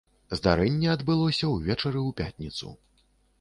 Здарэнне адбылося ўвечары ў пятніцу.